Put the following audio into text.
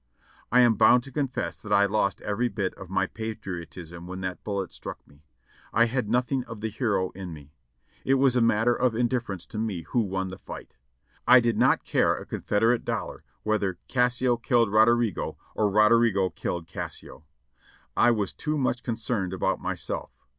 I am bound to confess that I lost every bit of my patriotism when that bullet struck me. I had nothing of the hero in me. It was a matter of indifference to me who won the 35 546 JOHNNY REB and BILLY YANK fight. I did not care a Confederate dollar whether "Cassio killed Roderigo or Roderigo killed Cassio," I was too much concerned about myself.